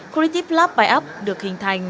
creative lab buy up được hình thành